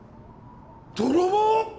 ・泥棒！